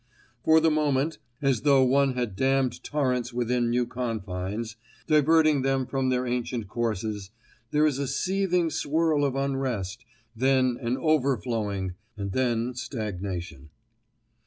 For the moment, as though one had dammed torrents within new confines, diverting them from their ancient courses, there is a seething swirl of unrest, then an over flowing and then stagnation.